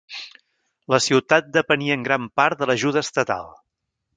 La ciutat depenia en gran part de l'ajuda estatal.